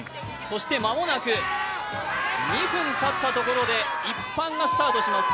間もなく２分たったところで、一般がスタートします。